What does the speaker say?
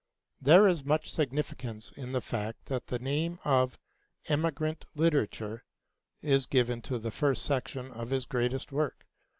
There is much significance in the fact that the name of 'Emigrant Literature' is given to the first section of his greatest work.